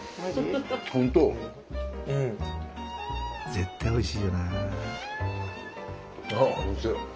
絶対おいしいよな。